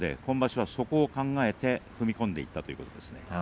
今場所はそこを考えて踏み込んでいったということです。